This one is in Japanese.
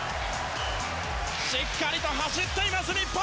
しっかりと走っています日本。